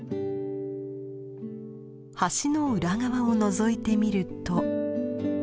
橋の裏側をのぞいてみると。